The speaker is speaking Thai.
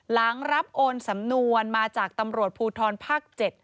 หลังรับโอนสำนวนมาจากตำรวจภูทรภาค๗